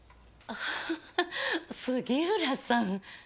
杉浦さん。